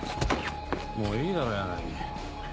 もういいだろ柳。